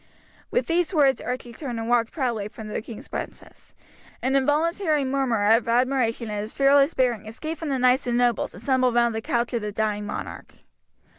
With these words Archie turned and walked proudly from the king's presence. An involuntary murmur of admiration at his fearless bearing escaped from the knights and nobles assembled round the couch of the dying monarch.